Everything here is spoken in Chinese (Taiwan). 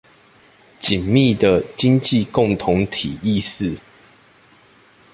緊密的經濟共同體意識